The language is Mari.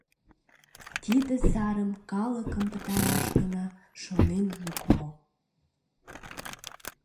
Тиде сарым калыкым пытараш гына шонен лукмо.